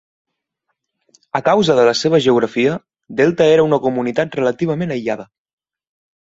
A causa de la seva geografia, Delta era una comunitat relativament aïllada.